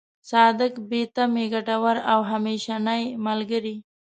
صادق، بې تمې، ګټور او همېشنۍ ملګری.